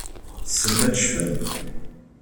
Tessnem ad tecfem?